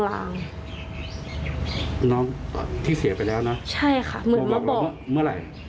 น้องที่เสียไปแล้วนะเหมือนเมื่อบอกเมื่อไหร่